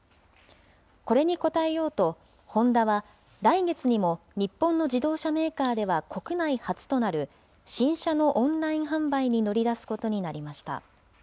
これに応えようと、ホンダは、来月にも日本の自動車メーカーでは国内初となる、新車のオンライン販売に乗り出すことになりました。